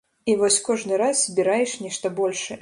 І вось кожны раз збіраеш нешта большае.